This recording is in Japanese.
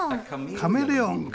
カメレオンか。